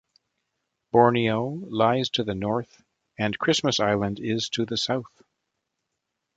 Borneo lies to the north and Christmas Island is to the south.